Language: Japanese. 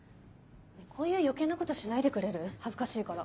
こういう余計なことしないでくれる恥ずかしいから。